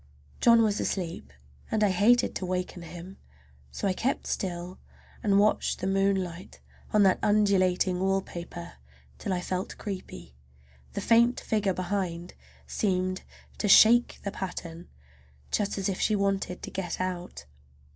John was asleep and I hated to waken him, so I kept still and watched the moonlight on that undulating wallpaper till I felt creepy. The faint figure behind seemed to shake the pattern, just as if she wanted to get out.